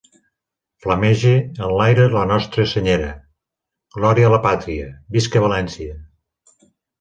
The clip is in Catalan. Flamege en l'aire la nostra Senyera! Glòria a la Pàtria! Visca València!